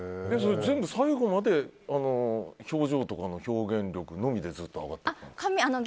全部、最後まで表情とかの表現力のみでずっと上がっていったの？